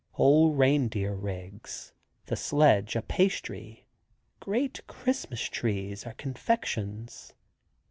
Whole reindeer rigs, the sledge a pastry; great Christmas trees are confections.